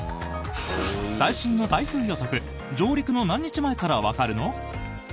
最新の台風予測上陸の何日前からわかるの？